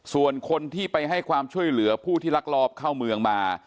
ส่วนคนที่ไปให้ความช่วยเหลือผู้ที่ลักลอบเข้าเมืองมา